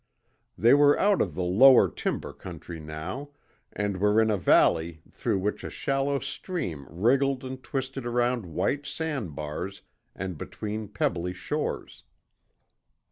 They were out of the lower timber country now, and were in a valley through which a shallow stream wriggled and twisted around white sand bars and between pebbly shores.